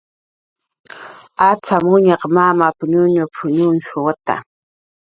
"Acxamuñaq mamap"" ñuñup"" ñuñshuwi "